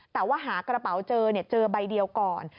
แต่ว่าหากระเป๋าเจอเจอใบเดียวก่อน